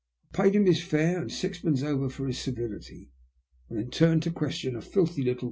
I paid him his fare and sixpence over for his civility, and then turned to question a filthy little